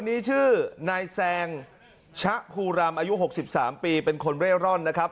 ชื่อนายแซงชะภูรำอายุ๖๓ปีเป็นคนเร่ร่อนนะครับ